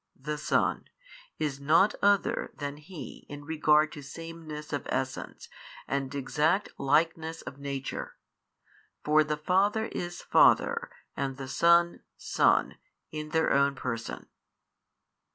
the Son, is nought other than He in regard to sameness of Essence and exact Likeness of Nature: for the Father is Father and the Son Son in Their own Person.